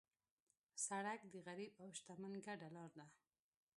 سړک د غریب او شتمن ګډه لار ده.